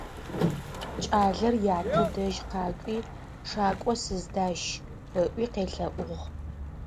Кӏалэр ятэ дэжь къакӏуи: «Шакӏо сыздащ», - ыӏуи къелъэӏугъ.